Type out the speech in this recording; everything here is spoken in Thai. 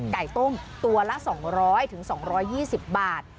ไก่ต้มตัวละ๒๐๐๒๒๐บาท